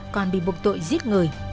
còn bị buộc tội giết người